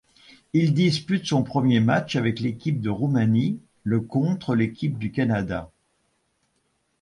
Il dispute son premier match avec l'équipe de Roumanie le contre l'équipe du Canada.